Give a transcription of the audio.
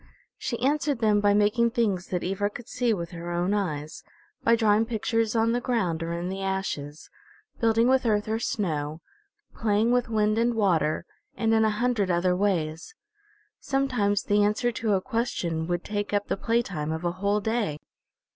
She answered them by making things that Ivra could see with her own eyes, by drawing pictures on the ground or in the ashes, building with earth or snow, playing with wind and water, and in a hundred other ways. Sometimes the answer to a question would take up the playtime of a whole day.